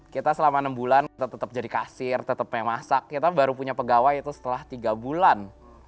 kita selama enam bulan tetap jadi kasir tetap yang masak kita baru punya pegawai itu setelah tiga bulan